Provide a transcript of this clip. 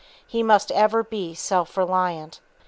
He must ever be self reliant.